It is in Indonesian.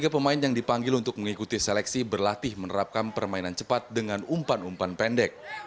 tiga pemain yang dipanggil untuk mengikuti seleksi berlatih menerapkan permainan cepat dengan umpan umpan pendek